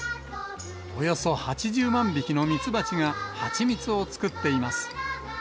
およそ８０万匹のミツバチが蜂蜜を作っています。